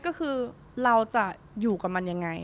ก็คือเราจะอยู่กับมันยังไง